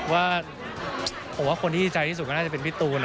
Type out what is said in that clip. ว่าผมว่าคนที่ดีใจที่สุดก็น่าจะเป็นพี่ตูน